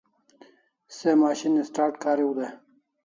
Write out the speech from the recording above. Se machine start kariu dai